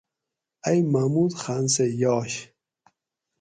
ائی محمود خان سہ یاش